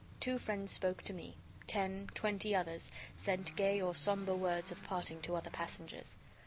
Two friends spoke to me. Ten, twenty others sent gay or somber words of parting to other passengers.